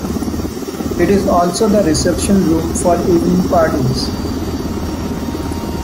It is also the Reception-room for evening parties.